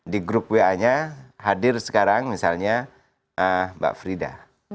di grup wa nya hadir sekarang misalnya mbak frida